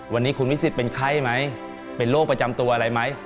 วันนี้คุณวิสิทธิ์เป็นไข้ไหมเป็นโรคประจำตัวอะไรไหม